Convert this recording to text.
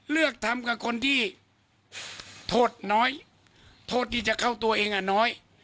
เลือกทำกับคนที่โทษน้อยโทษที่จะเข้าตัวเองอ่ะน้อย